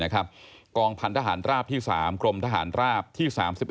กองพันธหารราบที่๓กรมทหารราบที่๓๑